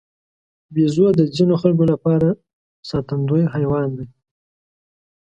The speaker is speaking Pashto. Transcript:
بیزو د ځینو خلکو لپاره ساتندوی حیوان دی.